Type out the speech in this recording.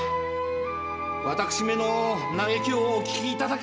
私めの嘆きをお聞きいただけましたでしょうか。